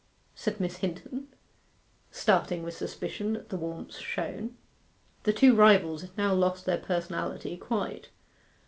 said Miss Hinton, starting with suspicion at the warmth shown. The two rivals had now lost their personality quite.